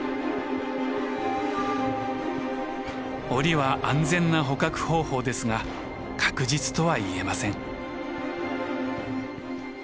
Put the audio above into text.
檻は安全な捕獲方法ですが確実とは言えません。